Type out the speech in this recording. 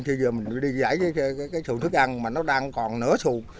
thì giờ mình đi dãy với cái sùn thức ăn mà nó đang còn nửa sùn